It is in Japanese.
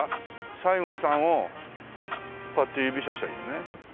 西郷さんをこうやって指させばいいんですね。